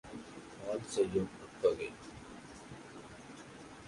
பாழ் செய்யும் உட்பகை!